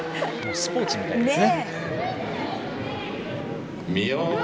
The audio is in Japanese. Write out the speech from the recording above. スポーツみたいですね。